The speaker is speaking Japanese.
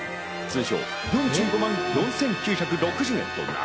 通常４５万４９６０円。